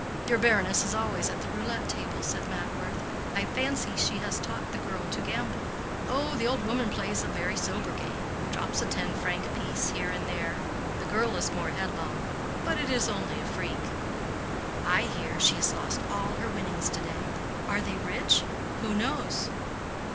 "Your baroness is always at the roulette table," said Mackworth. "I fancy she has taught the girl to gamble." "Oh, the old woman plays a very sober game; drops a ten franc piece here and there. The girl is more headlong. But it is only a freak." "I hear she has lost all her winnings to day. Are they rich? Who knows?"